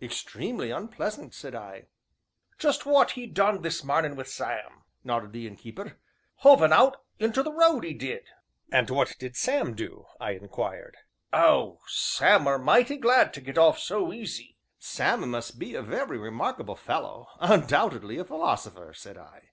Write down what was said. "Extremely unpleasant!" said I. "Just what he done this marnin' wi' Sam," nodded the Innkeeper "hove un out into the road, 'e did." "And what did Sam do?" I inquired. "Oh! Sam were mighty glad to get off so easy." "Sam must be a very remarkable fellow undoubtedly a philosopher," said I.